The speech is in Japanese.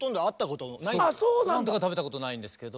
御飯とか食べたことないんですけど。